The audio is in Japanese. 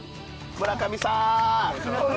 村上さん。